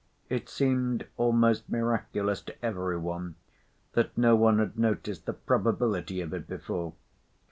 It seemed almost miraculous to every one that no one had noticed the probability of it before.